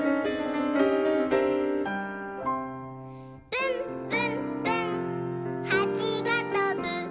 「ぶんぶんぶんはちがとぶ」